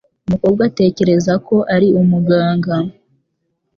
Umukobwa atekereza ko ari umuganga.